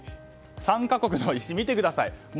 ３か国の石、見てください